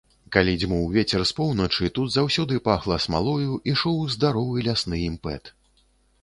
Калі дзьмуў вецер з поўначы, тут заўсёды пахла смалою, ішоў здаровы лясны імпэт.